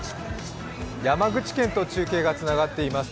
山口県と中継がつながっています。